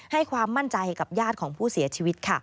ให้ความมั่นใจกับญาติของผู้เสียชีวิต